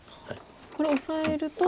これオサえると。